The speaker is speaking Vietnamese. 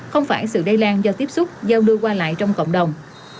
không phải sự đầy lan do tiếp xúc giao đưa qua lại trong cộng đồng